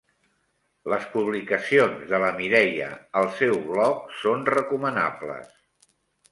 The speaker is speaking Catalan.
Les publicacions de la Mireia al seu blog són recomanables.